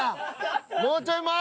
もうちょい前。